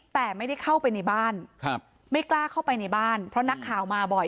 แต่ไม่ได้เข้าไปในบ้านครับไม่กล้าเข้าไปในบ้านเพราะนักข่าวมาบ่อย